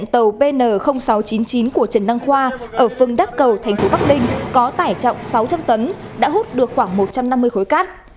tàu pn sáu trăm chín mươi chín của trần đăng khoa ở phương đắc cầu thành phố bắc ninh có tải trọng sáu trăm linh tấn đã hút được khoảng một trăm năm mươi khối cát